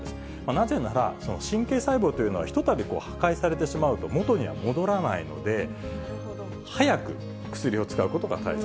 なぜなら、神経細胞というのは、ひとたび破壊されてしまうと、元には戻らないので、早く薬を使うことが大切。